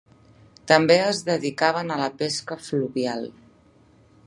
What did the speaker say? També es dedicaven a la pesca fluvial.